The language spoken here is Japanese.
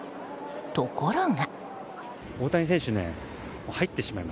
ところが。